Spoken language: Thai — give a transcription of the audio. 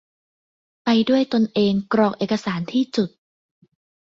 ไปด้วยตนเอง กรอกเอกสารที่จุด